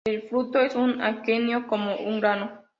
El fruto es un aquenio como un grano.